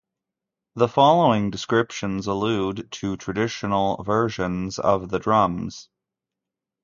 The following descriptions allude to traditional versions of the drums.